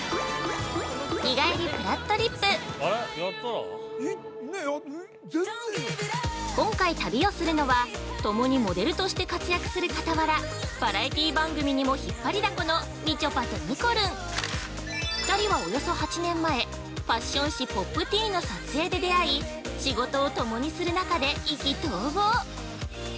「日帰りぷらっとりっぷ」今回、旅をするのは、共にモデルとして活躍する傍ら、バラエティ番組にも引っ張りだこのみちょぱとにこるん２人は約８年前、ファッション誌ポップティーンの撮影で出会い、仕事を共にする中で意気投合！